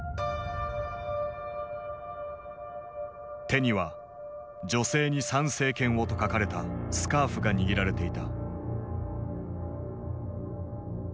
手には「女性に参政権を」と書かれたスカーフが握られていた。